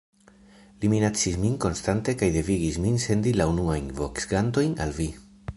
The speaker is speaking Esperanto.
Li minacis min konstante kaj devigis min sendi la unuajn boksgantojn al vi.